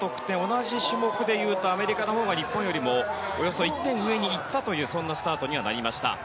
同じ種目で言うとアメリカのほうが日本よりもおよそ１点上にいったというスタートになりました。